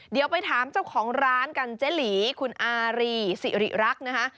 เดี๋ยวไปถามเจ้าของร้านกันเจ๊หลีคุณอารีสิริรักษ์นะคะ